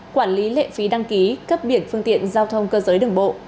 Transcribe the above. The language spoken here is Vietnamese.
quản lý lệ phí đăng ký cấp biển phương tiện giao thông cơ giới đường bộ